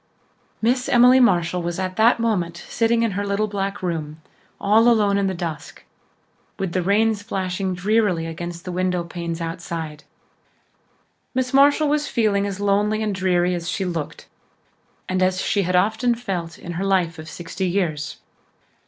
Miss Emily Marshall was at that moment sitting in her little back room, all alone in the dusk, with the rain splashing drearily against the windowpanes outside. Miss Marshall was feeling as lonely and dreary as she looked and as she had often felt in her life of sixty years.